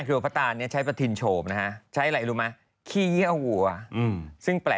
เรียนกระดานฉนวลนะยุคฉันนะ